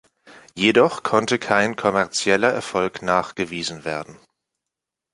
Jedoch konnte kein kommerzieller Erfolg nachgewiesen werden.